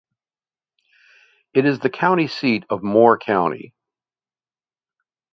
It is the county seat of Moore County.